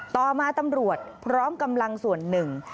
ต่อมาตำรวจพร้อมกำลังส่วนหนึ่ง